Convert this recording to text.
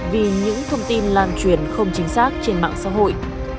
vì những thông tin lan truyền không chính xác trên mạng xã hội